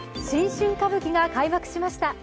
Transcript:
新春歌舞伎が開幕しました。